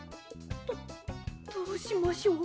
どどうしましょう。